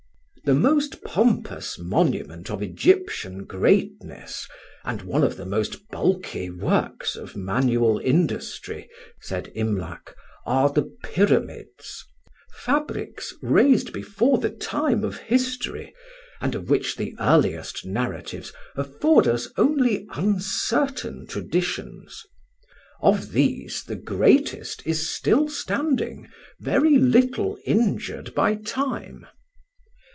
"The most pompous monument of Egyptian greatness, and one of the most bulky works of manual industry," said Imlac, "are the Pyramids: fabrics raised before the time of history, and of which the earliest narratives afford us only uncertain traditions. Of these the greatest is still standing, very little injured by time."